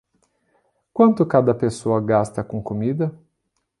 Quanto cada pessoa gasta com comida?